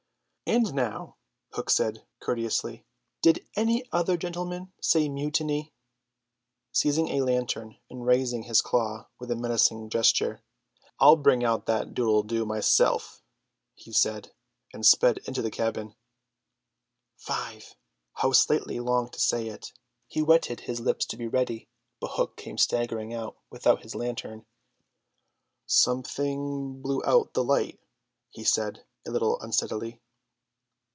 "And now," Hook said courteously, "did any other gentlemen say mutiny?" Seizing a lantern and raising his claw with a menacing gesture, "I'll bring out that doodle doo myself," he said, and sped into the cabin. "Five." How Slightly longed to say it. He wetted his lips to be ready, but Hook came staggering out, without his lantern. "Something blew out the light," he said a little unsteadily.